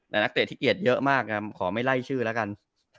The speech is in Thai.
แต่นักเตะที่เอียดเยอะมากขอไม่ไล่ชื่อแล้วกัน